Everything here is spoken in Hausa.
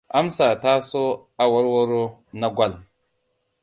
Amsa ta sa aworworo na gwal.